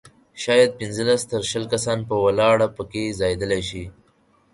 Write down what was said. شاید پنځلس تر شل کسان په ولاړه په کې ځایېدلای شي.